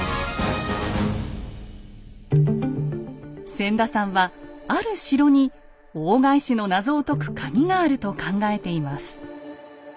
千田さんはある城に大返しのナゾを解くカギがあると考えています。